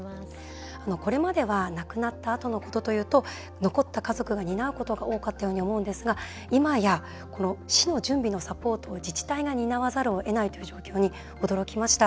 これまでは亡くなったあとのことというと残った家族が担うことが多かったように思うんですがいまや死の準備のサポートを自治体が担わざるをえないことに驚きました。